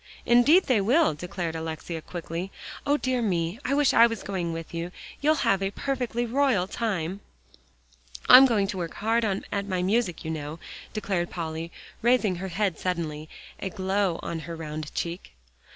"Indeed they will," declared Alexia quickly. "O dear me, I wish I was going with you. You'll have a perfectly royal time. "I'm going to work hard at my music, you know," declared Polly, raising her head suddenly, a glow on her round cheek.